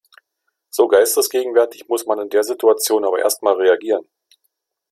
So geistesgegenwärtig muss man in der Situation aber erst mal reagieren.